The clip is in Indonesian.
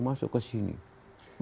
loh saya bukan ahok pak